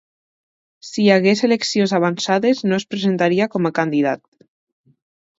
Si hi hagués eleccions avançades, no es presentaria com a candidat.